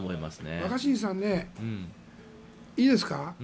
若新さん、いいですか？